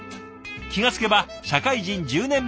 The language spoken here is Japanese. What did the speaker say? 気が付けば社会人１０年目。